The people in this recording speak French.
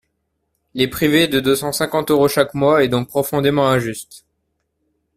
Les priver de deux cent cinquante euros chaque mois est donc profondément injuste.